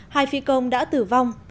hai phi công đã tử vong